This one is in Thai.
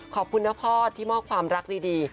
ขอบคุณนะพ่อที่มอบความรักดี